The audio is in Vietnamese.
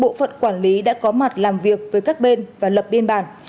sau sự cố bộ phận quản lý đã có mặt làm việc với các bên và lập biên bản